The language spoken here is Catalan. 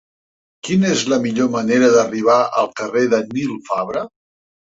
Quina és la millor manera d'arribar al carrer de Nil Fabra?